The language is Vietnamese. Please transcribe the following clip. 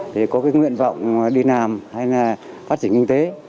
thì có cái nguyện vọng đi làm hay là phát triển kinh tế